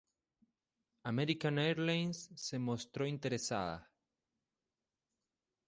American Airlines se mostró interesada.